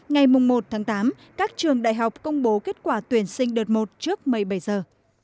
ngày một tháng tám các trường đại học công bố kết quả tuyển sinh đợt một trước một mươi bảy giờ